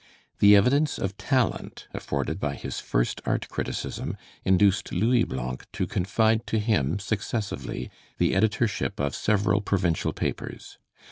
The evidence of talent afforded by his first art criticism induced Louis Blanc to confide to him successively the editorship of several provincial papers.